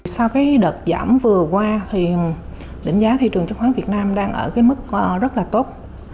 sau cái đợt giảm vừa qua thì định giá thị trường chứng khoán việt nam đang ở cái mức rất là tốt